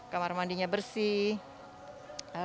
kamar mandinya bersih